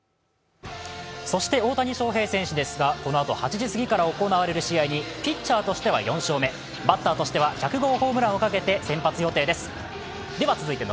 そして大谷翔平選手ですがこのあと８時過ぎから行われる試合にピッチャーとしては４勝目、バッターとしては１００号ホームランをかけて先発出場です。